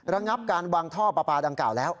ระงับการวางท่อปลาปลาดังกล่าวแล้ว